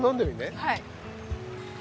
はい。